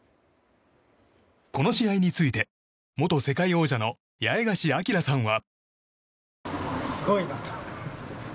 この試合について元世界王者の八重樫東さんは。